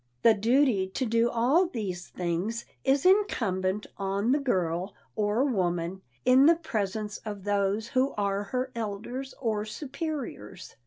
The duty to do all these things is incumbent on the girl or woman in the presence of those who are her elders or superiors.